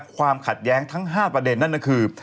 ความขัดแย้งทั้ง๕ประเด็นนั่นก็คือ